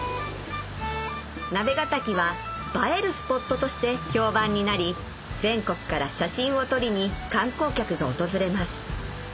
鍋ヶ滝は映えるスポットとして評判になり全国から写真を撮りに観光客が訪れます